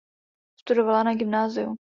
Studovala na gymnáziu.